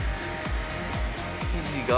生地が。